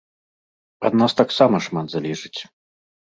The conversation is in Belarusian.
Ад нас таксама шмат залежыць.